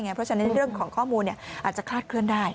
เพราะฉะนั้นเรื่องของข้อมูลอาจจะคลาดเคลื่อนได้